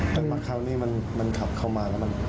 ซึ่งบางคราวนี้มันขับเข้ามาแล้วมัน